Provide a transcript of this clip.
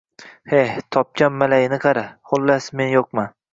Heh, topgan malayini qara… Xullas, men yo‘qman!